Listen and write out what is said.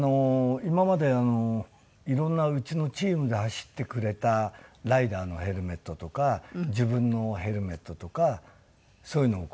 今までいろんなうちのチームで走ってくれたライダーのヘルメットとか自分のヘルメットとかそういうのを記念に。